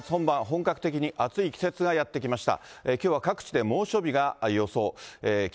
本格的に暑い季節がやって来ました。